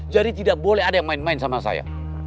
jadi tidak boleh ada yang main main sama saya